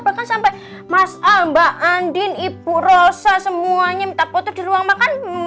bahkan sampai mas mbak andin ibu rosa semuanya minta foto di ruang makan